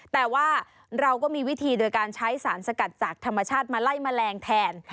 แต่ว่าเราก็มีวิธีโดยการใช้สารสกัดจากธรรมชาติมาไล่แมลงแทน